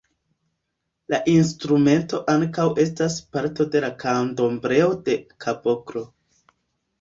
La instrumento ankaŭ estas parto de la Kandombleo-de-kaboklo.